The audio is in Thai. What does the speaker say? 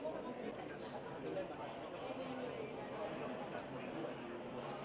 สวัสดีครับ